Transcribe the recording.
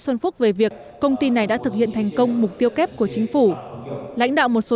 xuân phúc về việc công ty này đã thực hiện thành công mục tiêu kép của chính phủ lãnh đạo một số